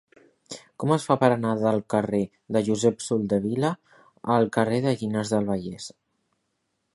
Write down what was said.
Com es fa per anar del carrer de Josep Soldevila al carrer de Llinars del Vallès?